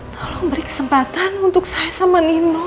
tolong beri kesempatan untuk saya sama nino